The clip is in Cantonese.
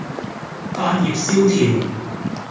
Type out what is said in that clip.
百業蕭條